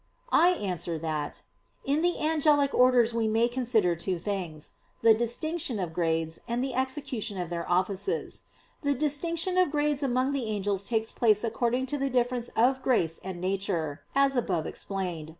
I answer that, In the angelic orders we may consider two things; the distinction of grades, and the execution of their offices. The distinction of grades among the angels takes place according to the difference of grace and nature, as above explained (A.